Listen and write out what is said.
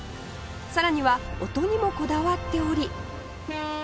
さらには音にもこだわっており